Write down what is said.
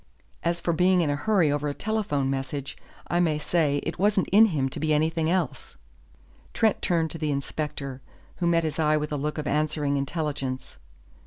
As for being in a hurry over a telephone message, I may say it wasn't in him to be anything else." Trent turned to the inspector, who met his eye with a look of answering intelligence.